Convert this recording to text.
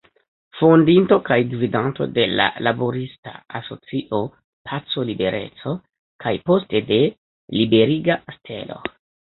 Fondinto kaj gvidanto de la laborista asocio "Paco Libereco", kaj poste de "Liberiga Stelo".